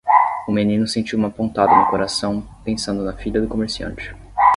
O menino sentiu uma pontada no coração pensando na filha do comerciante.